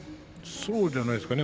そうじゃないですかね。